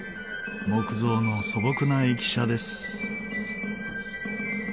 木造の素朴な駅舎です。